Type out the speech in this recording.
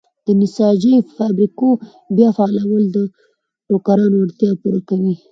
د نساجۍ فابریکو بیا فعالول د ټوکرانو اړتیا پوره کوي.